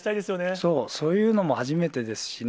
そう、そういうのも初めてですしね。